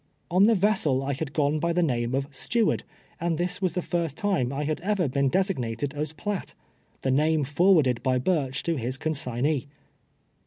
On the vessel I had gone by the name of "Steward," and this was the first time I had ever been designated as Piatt — the name forwarded by Burch to his consignee.